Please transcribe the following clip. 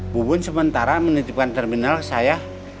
bubun sementara menitipkan terminal saya